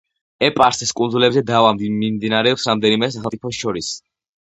ეპარსეს კუნძულებზე დავა მიმდინარეობს რამდენიმე სახელმწიფოს შორის.